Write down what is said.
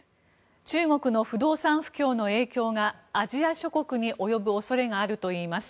中国の不動産不況の影響がアジア諸国に及ぶ恐れがあるといいます。